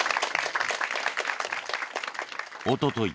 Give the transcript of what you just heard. おととい